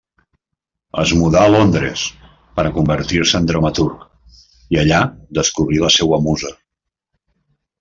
Es mudà a Londres per a convertir-se en dramaturg, i allà descobrí la seua musa.